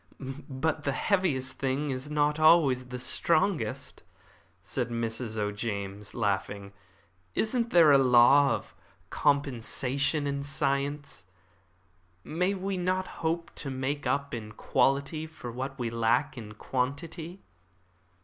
"But the heaviest thing is not always the strongest," said Mrs. O'James, laughing. "Isn't there a law of compensation in science? May we not hope to make up in quality for what we lack in quantity?"